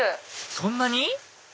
そんなに？